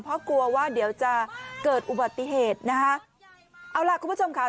เพราะกลัวว่าเดี๋ยวจะเกิดอุบัติเหตุนะคะเอาล่ะคุณผู้ชมค่ะ